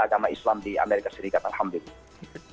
agama islam di amerika serikat alhamdulillah